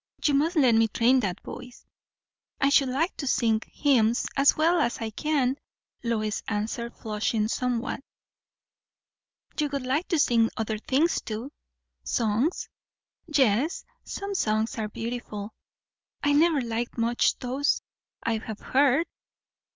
You must let me train that voice." "I should like to sing hymns as well as I can," Lois answered, flushing somewhat. "You would like to sing other things, too." "Songs?" "Yes. Some songs are beautiful." "I never liked much those I have heard."